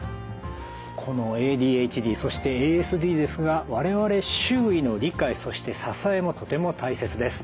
このＡＤＨＤそしてＡＳＤですが我々周囲の理解そして支えもとても大切です。